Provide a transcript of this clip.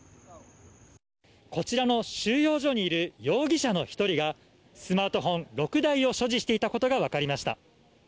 こちらの収容所にいる容疑者の１人がスマートフォン６台を所持していたことが分かりました。